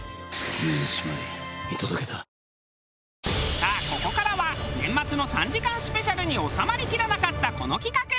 さあここからは年末の３時間スペシャルに収まりきらなかったこの企画。